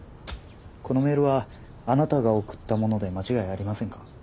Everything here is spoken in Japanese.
このメールはあなたが送ったもので間違いありませんか？